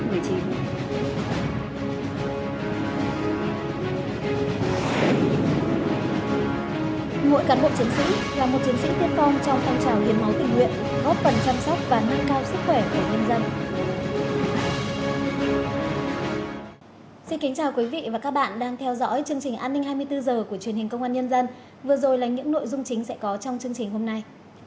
nguội cán bộ chiến sĩ là một chiến sĩ tiên phong trong phong trào hiền máu tình nguyện góp phần chăm sóc và nâng cao sức khỏe của nhân dân